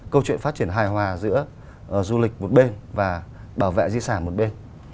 câu chuyện phát triển hài hòa giữa du lịch một bên và bảo vệ di sản một bên